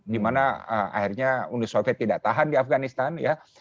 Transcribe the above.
dimana akhirnya uni soviet tidak tahan di afganistan ya